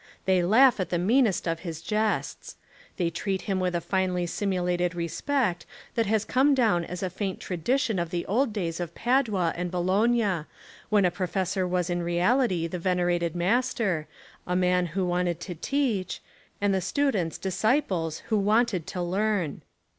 They laugh at the meanest of his jests. They treat him with a finely simulated respect that has come down as a faint tradition of the old days of Padua and Bologna, when a professor was in reahty the venerated master, a man who wanted to teach, and the students disciples who wanted to learn.